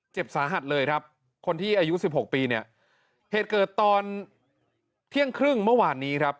เจ็บสาหัสเลยครับคนที่อายุสิบหกปีเนี่ยเหตุเกิดตอนเที่ยงครึ่งเมื่อวานนี้ครับ